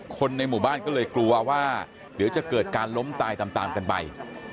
คนในหมู่บ้านก็เลยกลัวว่าเดี๋ยวจะเกิดการล้มตายตามกันไป